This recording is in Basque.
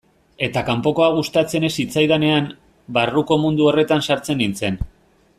Eta kanpokoa gustatzen ez zitzaidanean, barruko mundu horretan sartzen nintzen.